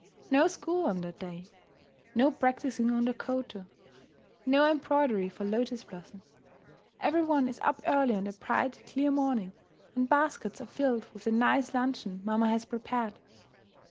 No school on that day! No practising on the koto! No embroidery for Lotus Blossom! Every one is up early on the bright, clear morning, and baskets are filled with the nice luncheon mamma has prepared.